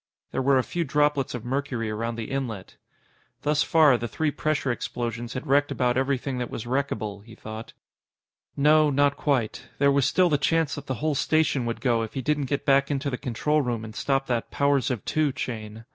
There were a few droplets of mercury around the inlet. Thus far, the three pressure explosions had wrecked about everything that was wreckable, he thought. No, not quite. There was still the chance that the whole station would go if he didn't get back into the control room and stop that "powers of two" chain.